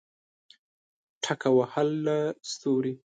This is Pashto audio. ټک وهله ستوري